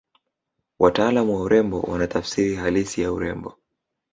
wataalamu wa urembo wana tafsiri halisi ya urembo